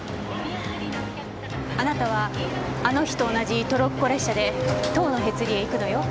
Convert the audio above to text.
あなたはあの日と同じトロッコ列車で塔のへつりへ行くのよ。